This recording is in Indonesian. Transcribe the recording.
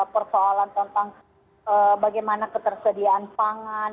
persoalan tentang bagaimana ketersediaan pangan